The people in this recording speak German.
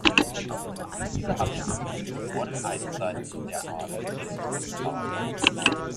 Dieser Abschnitt diente vor den Eiszeiten der Aare als Flusstal.